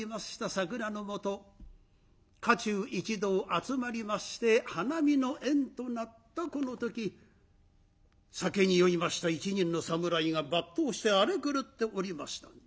桜のもと家中一同集まりまして花見の宴となったこの時酒に酔いました一人の侍が抜刀して荒れ狂っておりました。